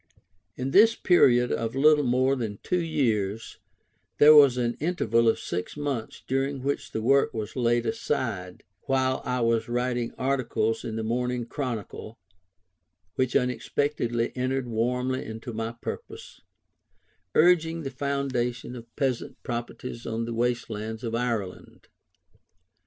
In this period of little more than two years there was an interval of six months during which the work was laid aside, while I was writing articles in the Morning Chronicle (which unexpectedly entered warmly into my purpose) urging the formation of peasant properties on the waste lands of Ireland.